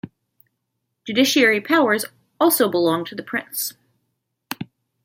Judiciary powers also belong to the Prince.